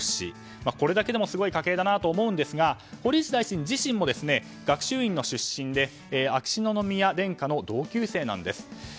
これだけでもすごい家計だなと思うんですが堀内大臣自身も学習院出身で秋篠宮殿下の同級生なんです。